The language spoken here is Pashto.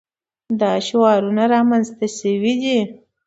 دا شعارونه رامنځته شوي دي.